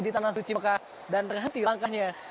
di tanah suci mekah dan terhenti langkahnya